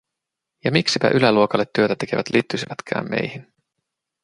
Ja miksipä yläluokalle työtä tekevät liittyisivätkään meihin?